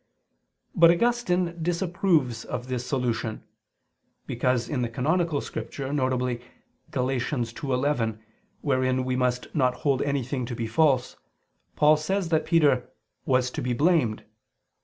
But Augustine disapproves of this solution: because in the canonical Scripture (viz. Gal. 2:11), wherein we must not hold anything to be false, Paul says that Peter "was to be blamed."